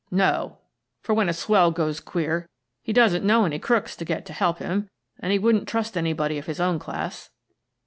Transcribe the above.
"No, for when a swell goes queer he doesn't know any crooks to get to help him, and he wouldn't trust anybody of his own class."